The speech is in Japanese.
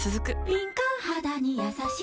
敏感肌にやさしい